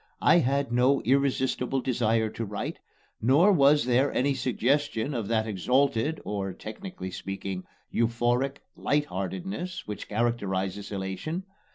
I had no irresistible desire to write, nor was there any suggestion of that exalted, or (technically speaking) euphoric, light heartedness which characterizes elation.